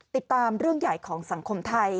ติดตามเรื่องใหญ่ของสังคมไทย